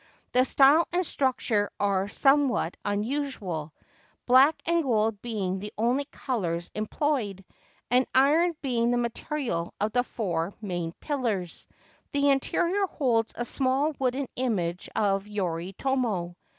The style and structure are 94 A Life saved by a Spider and Two Doves . somewhat unusual, black and gold being the only colours employed, and iron being the material of the four main pillars. The interior holds a small wooden image of Yoritomo.